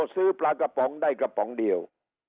ซื้อปลากระป๋องได้กระป๋องเดียว